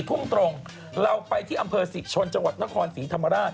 ทุ่มตรงเราไปที่อำเภอศรีชนจังหวัดนครศรีธรรมราช